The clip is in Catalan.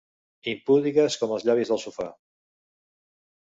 Impúdiques com els llavis del sofà.